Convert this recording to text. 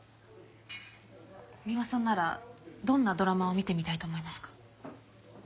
三馬さんならどんなドラマを見てみたいと思いますか？